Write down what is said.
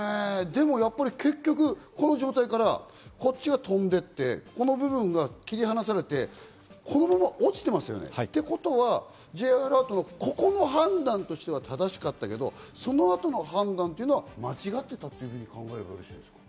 結局、この状態からこっちは飛んでって、この部分が切り離されて、このまま落ちてますね。ということはＪアラートはここの判断としては正しかったけど、その後の判断というのは間違ってたって考えればよろしいですか？